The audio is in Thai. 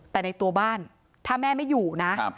แต่ในตัวบ้านถ้าแม่ไม่อยู่นะ